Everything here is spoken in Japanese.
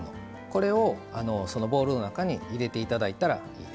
これをそのボウルの中に入れていただいたらいいです。